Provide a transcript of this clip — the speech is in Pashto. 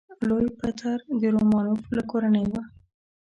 لوی پطر د رومانوف له کورنۍ و.